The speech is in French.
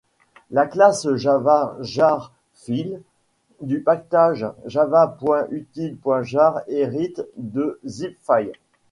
La classe Java JarFile du package java.util.jar hérite de ZipFile.